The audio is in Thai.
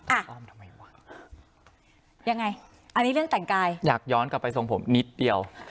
อ้อมทำไมวะยังไงอันนี้เรื่องแต่งกายอยากย้อนกลับไปทรงผมนิดเดียว